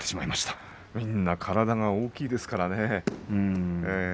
みんな体が大きいですからね。